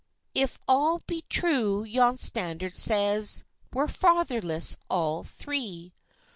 If all be true yon standard says, We're fatherless all three.